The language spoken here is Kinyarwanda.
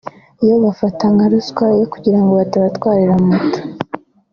bo bafata nka ruswa yo kugira ngo batabatwarira moto